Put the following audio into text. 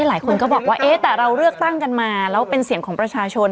หลายคนก็บอกว่าเอ๊ะแต่เราเลือกตั้งกันมาแล้วเป็นเสียงของประชาชน